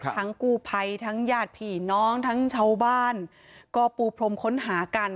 กู้ภัยทั้งญาติผีน้องทั้งชาวบ้านก็ปูพรมค้นหากัน